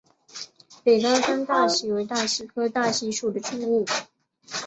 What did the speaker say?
北高山大戟为大戟科大戟属的植物。